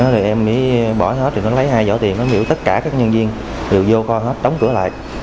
rồi em mới bỏ hết nó lấy hai vỏ tiền nó miễu tất cả các nhân viên đều vô kho hết đóng cửa lại